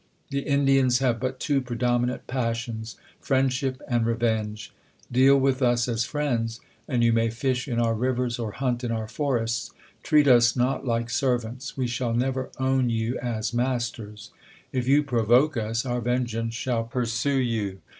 The Indians have but two predominant passions, friendship and revenge. Deal with us as friends, and you may fish in our rivers or hunt in our forests. Treat us not like servants ; v/e shall never own you as mas ters. If you provoke us, our vengeance shall pursue you.